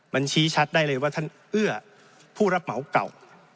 มันชี้ชัดได้เลยว่าท่านเอื้อผู้รับเหมาเก่า